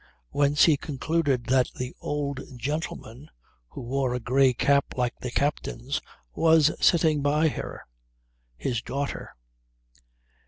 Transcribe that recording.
Whence he concluded that the 'old gentleman,' who wore a grey cap like the captain's, was sitting by her his daughter.